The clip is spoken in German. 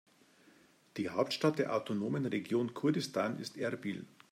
Die Hauptstadt der autonomen Region Kurdistan ist Erbil.